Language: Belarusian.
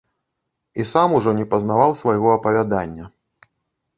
І сам ужо не пазнаваў свайго апавядання.